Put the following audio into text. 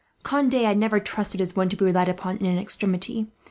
Conde I have never trusted as one to be relied upon, in an extremity.